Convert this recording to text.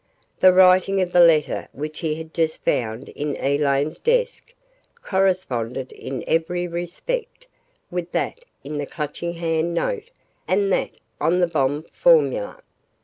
The writing of the letter which he had just found in Elaine's desk corresponded in every respect with that in the Clutching Hand note and that on the bomb formula.